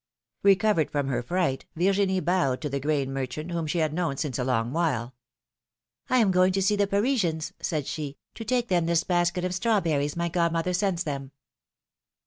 Recovered from her fright, Virginie bowed to the grain merchant, whom she had known since a long while. I am going to see the Parisians," said she, to take them this basket of strawberries my godmother sends them."